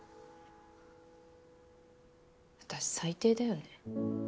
私最低だよね。